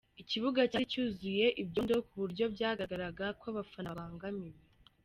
Ikibuga cyari cyuzeye ibyondo ku buryo byagaragaraga ko abafana babangamiwe.